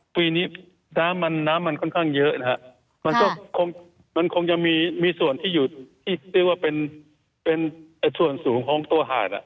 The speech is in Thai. ปีนี้น้ำมันค่อนข้างเยอะมันคงจะมีส่วนที่อยู่ที่เป็นส่วนสูงของตัวหาด